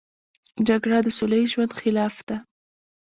جګړه د سوله ییز ژوند خلاف ده